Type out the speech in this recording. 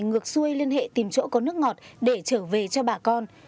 ngược xuôi liên hệ tìm chỗ có nước ngọt để trở về cho bà con